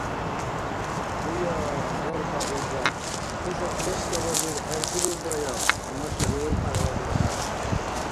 – Гьуя, ДалкӀа хӀулбар, хӀуша клеткабазир хӀердирулраяв? – тамашабиуб гӀярала дурхӀя.